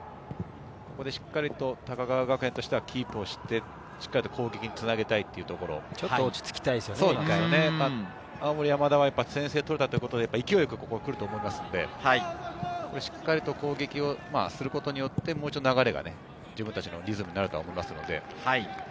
ここでしっかりと高川学園としてはキープをして、しっかりと攻撃につなげたいというとこちょっと落ち着きたいで青森山田は先制を取れたということで、勢いよく来ると思いますので、しっかり攻撃をすることによって、流れが自分達のリズムになると思いますので。